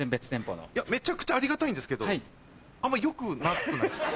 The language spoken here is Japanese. めちゃくちゃありがたいんですけどあんま良くなくないですか？